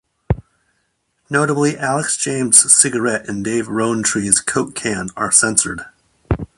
Notably, Alex James' cigarette and Dave Rowntree's Coke can are censored.